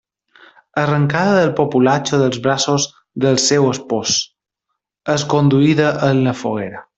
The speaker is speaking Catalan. Arrencada pel populatxo dels braços del seu espòs, és conduïda en la foguera.